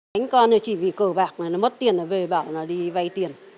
đánh con chỉ vì cờ bạc nó mất tiền nó về bảo nó đi vay tiền